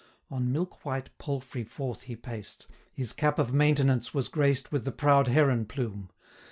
On milk white palfrey forth he paced; His cap of maintenance was graced 135 With the proud heron plume.